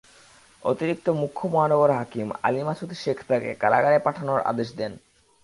অতিরিক্ত মুখ্য মহানগর হাকিম আলী মাসুদ শেখ তাঁকে কারাগারে পাঠানোর আদেশ দেন।